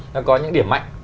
nó có những điểm mạnh